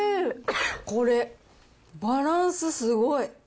これ、バランス、すごい。